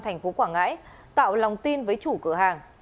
thành phố quảng ngãi tạo lòng tin với chủ cửa hàng